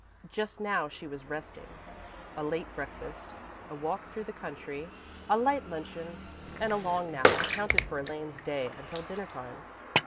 Just now she was resting. A late breakfast, a walk through the country, a light luncheon, and a long nap accounted for Elaine's day until dinner time.